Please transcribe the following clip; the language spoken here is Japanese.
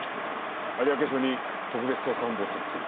有明署に特別捜査本部を設置する。